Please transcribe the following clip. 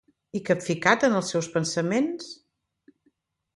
I capficat en els seus pensaments?